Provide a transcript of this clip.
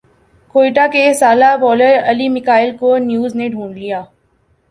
کوئٹہ کے سالہ بالر علی میکائل کو نیو زنے ڈھونڈ لیا